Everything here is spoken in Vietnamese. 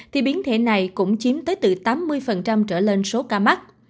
thì biến thể này cũng chiếm tới từ tám mươi trở lên số ca mắc